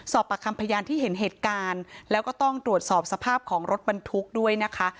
ประคำพยานที่เห็นเหตุการณ์แล้วก็ต้องตรวจสอบสภาพของรถบรรทุกด้วยนะคะ